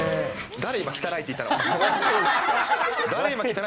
誰、今、汚いって言ったの。